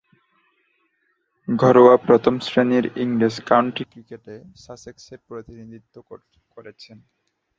ঘরোয়া প্রথম-শ্রেণীর ইংরেজ কাউন্টি ক্রিকেটে সাসেক্সের প্রতিনিধিত্ব করেছেন।